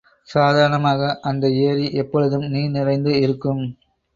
சாதாரணமாக அந்த ஏரி எப்பொழுதும் நீர் நிறைந்து இருக்கும்.